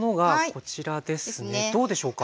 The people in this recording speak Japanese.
どうでしょうか。